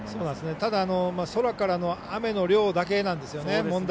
ただ、問題は空からの雨の量だけなんですよね。